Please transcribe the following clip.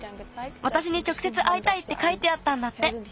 わたしにちょくせつあいたいってかいてあったんだって。